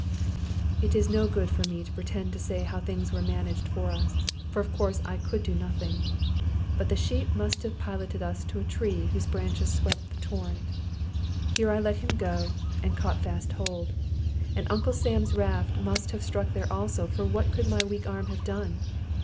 It is no good for me to pretend to say how things were managed for us, for of course I could do nothing. But the sheep must have piloted us to a tree, whose branches swept the torrent. Here I let him go, and caught fast hold; and Uncle Sam's raft must have stuck there also, for what could my weak arm have done?